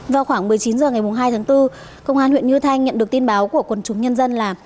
vào khoảng một mươi chín h ngày hai tháng bốn công an huyện như thanh nhận được tin báo của quần chúng nhân dân là